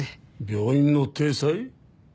病院の体裁？